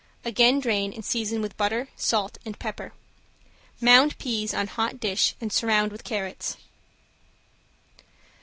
Again drain and season with butter, salt and pepper. Mound peas on hot dish and surround with carrots.